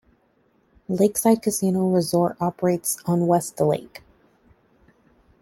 Lakeside Casino Resort operates on West Lake.